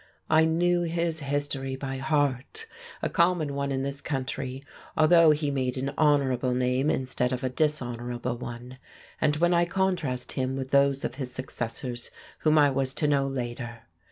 I knew his history by heart, a common one in this country, although he made an honourable name instead of a dishonourable one. And when I contrast him with those of his successors whom I was to know later...!